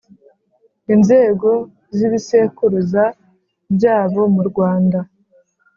inzego z’ibisekuruza byabo mu rwanda